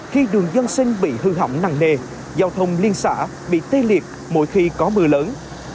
khi đường dân sinh bị hư hỏng nặng nề giao thông liên xã bị tê liệt mỗi khi có mưa lớn